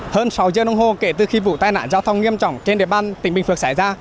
hơn sáu giờ đồng hồ kể từ khi vụ tai nạn giao thông nghiêm trọng trên địa bàn tỉnh bình phước xảy ra